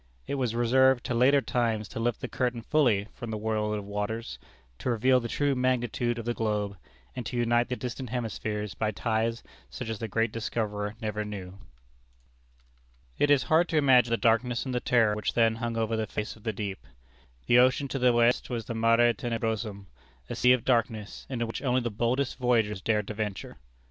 It was reserved to later times to lift the curtain fully from the world of waters; to reveal the true magnitude of the globe; and to unite the distant hemispheres by ties such as the great discoverer never knew. It is hard to imagine the darkness and the terror which then hung over the face of the deep. The ocean to the west was a Mare Tenebrosum a Sea of Darkness, into which only the boldest voyagers dared to venture.